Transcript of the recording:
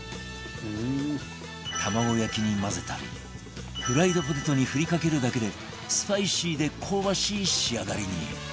卵焼きに混ぜたりフライドポテトに振りかけるだけでスパイシーで香ばしい仕上がりに